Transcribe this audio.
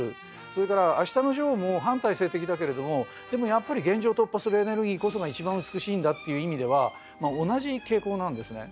それから「あしたのジョー」も反体制的だけれどもでもやっぱり現状突破するエネルギーこそが一番美しいんだっていう意味では同じ傾向なんですね。